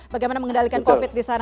bagaimana mengendalikan covid di sana